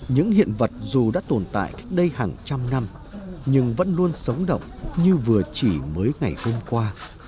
những hiện vật dù đã tồn tại cách đây hàng trăm năm nhưng vẫn luôn sống động như vừa chỉ mới ngày hôm qua